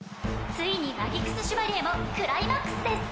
ついにマギクス・シュバリエもクライマックスです